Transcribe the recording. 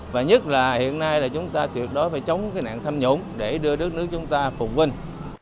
và nhất là hiện nay là chúng ta tuyệt đối phải chống cái nạn tham nhũng để đưa đất nước chúng ta phục vinh